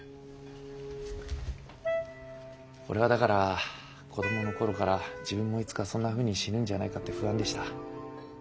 俺はだから子供の頃から自分もいつかそんなふうに死ぬんじゃないかって不安でした。